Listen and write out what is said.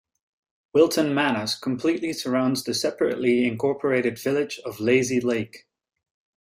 Wilton Manors completely surrounds the separately incorporated village of Lazy Lake.